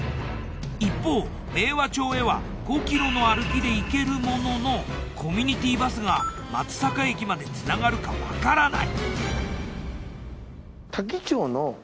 一方明和町へは５ｋｍの歩きで行けるもののコミュニティバスが松阪駅までつながるかわからない。